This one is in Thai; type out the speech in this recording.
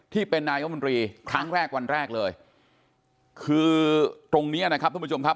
๒๕๕๗ที่เป็นนายมนตรีครั้งแรกวันแรกเลยคือตรงนี้นะครับ